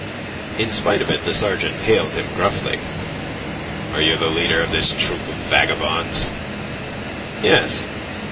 In spite of it the sergeant hailed him gruffly: "Are you the leader of this troop of vagabonds?" "Yes...